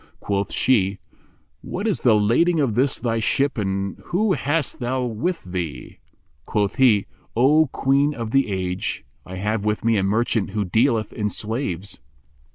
Quoth she, "What is the lading of this thy ship and whom hast thou with thee?"" Quoth he, "O Queen of the Age, I have with me a merchant who dealeth in slaves."